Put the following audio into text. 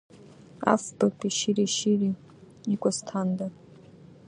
Афбатәи шьыри-шьыри, икәа сҭанда!